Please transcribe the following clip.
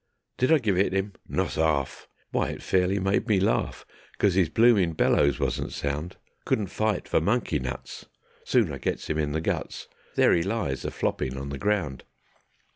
Did I give it 'im? Not 'arf! Why, it fairly made me laugh, 'Cos 'is bloomin' bellows wasn't sound. Couldn't fight for monkey nuts. Soon I gets 'im in the guts, There 'e lies a floppin' on the ground.